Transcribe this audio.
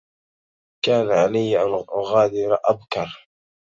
كان علي أن أغادر أبكر.